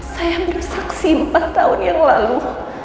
saya bersaksi empat tahun yang lalu